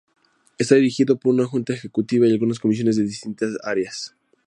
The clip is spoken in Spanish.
Está dirigido por una junta ejecutiva y algunas comisiones de distintas áreas.